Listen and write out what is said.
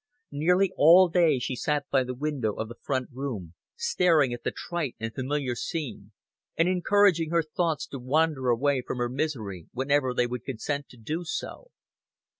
Nearly all day she sat by the window of the front room, staring at the trite and familiar scene, and encouraging her thoughts to wander away from her misery whenever they would consent to do so.